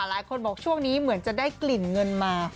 หลายคนบอกช่วงนี้เหมือนจะได้กลิ่นเงินมา